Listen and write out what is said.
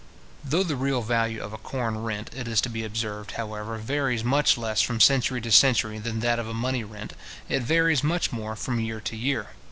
Though the real value of a corn rent, it is to be observed, however, varies much less from century to century than that of a money rent, it varies much more from year to year.